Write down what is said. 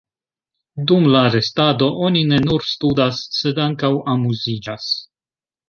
Dum la restado, oni ne nur studas, sed ankaŭ amuziĝas.